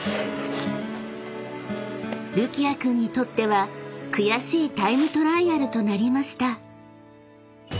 ［るきあ君にとっては悔しいタイムトライアルとなりました］